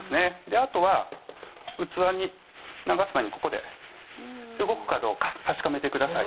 あとは器に流す前にここで動くかどうか確かめてください